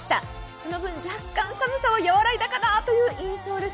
その分、若干寒さは和らいだかなという印象です。